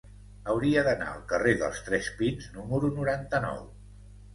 Hauria d'anar al carrer dels Tres Pins número noranta-nou.